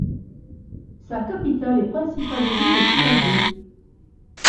Sa capitale et principale ville est Ibagué.